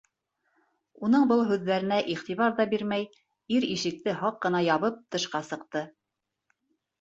Уның был һүҙҙәренә иғтибар ҙа бирмәй ир ишекте һаҡ ҡына ябып тышҡа сыҡты.